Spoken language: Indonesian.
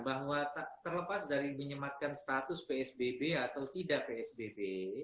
bahwa terlepas dari menyematkan status psbb atau tidak psbb